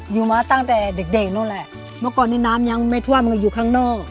อยู่มาตั้งแต่เด็กเด็กนั่นแหละเมื่อก่อนนี้น้ำยังไม่ท่วมมันก็อยู่ข้างนอก